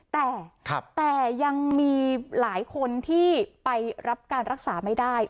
แต่ยังมีหลายคนที่ไปรับการรักษาไม่ได้